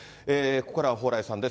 ここからは蓬莱さんです。